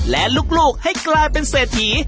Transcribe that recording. และลูกให้กลายเป็นเศรษฐี